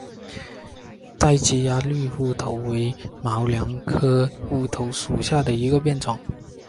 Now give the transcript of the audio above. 截基鸭绿乌头为毛茛科乌头属下的一个变种。